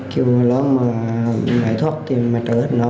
kêu nó mà ngại thoát thì mà trở hết nó